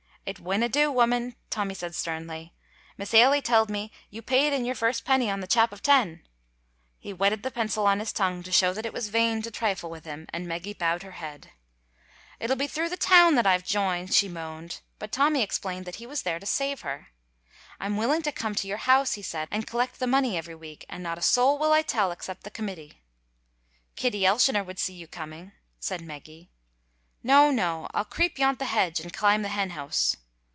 "It winna do, woman," Tommy said sternly. "Miss Ailie telled me you paid in your first penny on the chap of ten." He wetted the pencil on his tongue to show that it was vain to trifle with him, and Meggy bowed her head. "It'll be through the town that I've joined," she moaned, but Tommy explained that he was there to save her. "I'm willing to come to your house," he said, "and collect the money every week, and not a soul will I tell except the committee." "Kitty Elshioner would see you coming," said Meggy. "No, no, I'll creep yont the hedge and climb the hen house."